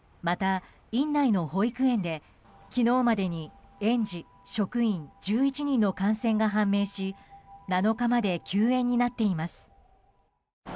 また、院内の保育園で昨日までに園児、職員１１人の感染が判明し７日まで休園になっています。